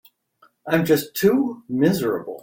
I'm just too miserable.